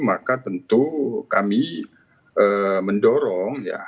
maka tentu kami mendorong ya